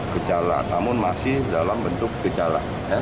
kejala namun masih dalam bentuk kejala